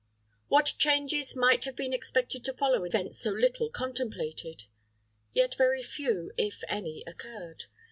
What changes might have been expected to follow an event so little contemplated! Yet very few, if any, occurred.